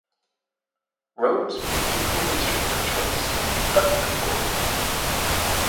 Rhodes musical instrument of choice was the button accordion.